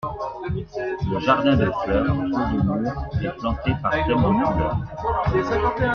Le jardin de fleurs, clos de murs, est planté par thèmes de couleurs.